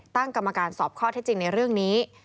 ตั้งกรรมการสอบข้อเท็จจริงในเรื่องนี้